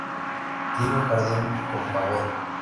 Tiene un jardín con pagoda.